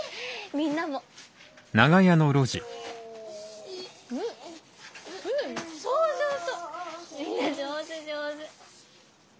みんな上手上手！